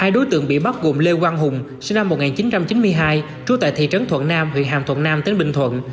hai đối tượng bị bắt gồm lê quang hùng sinh năm một nghìn chín trăm chín mươi hai trú tại thị trấn thuận nam huyện hàm thuận nam tỉnh bình thuận